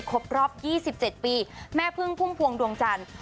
ครบรอบ๒๗ปีแม่พึ่งพุ่มพวงดวงจันทร์